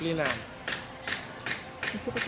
dan juga penerbitan